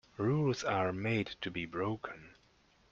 Rules are made to be broken.